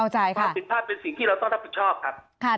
ความผิดพลาดเป็นสิ่งที่เราต้องรับผิดชอบครับ